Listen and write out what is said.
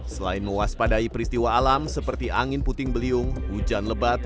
selain mewaspadai peristiwa alam seperti angin puting beliung hujan lebat